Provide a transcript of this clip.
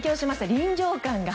臨場感が。